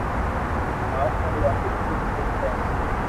آپ ھارو آ بلڪول سھھي ھي